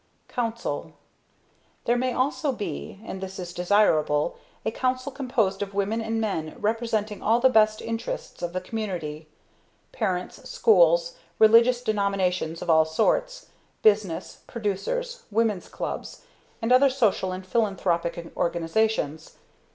Council. There may also be, and this is desirable, a Council composed of women and men representing all the best interests of the community: parents, schools, religious denominations of all sorts, business, producers, women's clubs, and other social and philanthropic organizations.